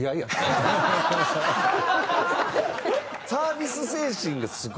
サービス精神がすごいんですね。